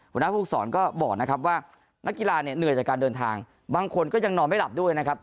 หัวหน้าภูมิสอนก็บอกนะครับว่านักกีฬาเนี่ยเหนื่อยจากการเดินทางบางคนก็ยังนอนไม่หลับด้วยนะครับ